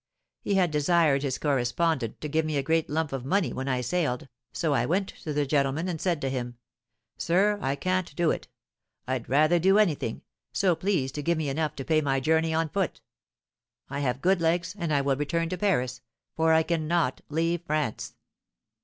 He had desired his correspondent to give me a great lump of money when I sailed, so I went to the gentleman, and said to him, 'Sir, I can't do it I'd rather do anything, so please to give me enough to pay my journey on foot; I have good legs, and I will return to Paris, for I cannot leave France.